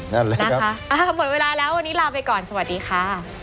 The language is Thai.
นั่นแหละนะคะหมดเวลาแล้ววันนี้ลาไปก่อนสวัสดีค่ะ